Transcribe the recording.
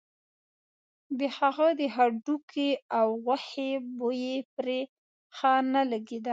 د هغه د هډوکي او غوښې بوی پرې ښه نه لګېده.